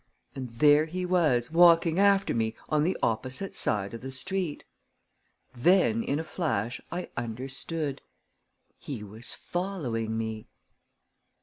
And there he was, walking after me, on the opposite side of the street! Then, in a flash, I understood. He was following me!